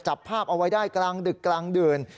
จับภาพเอาไว้ได้กลางดึกกลางดื่น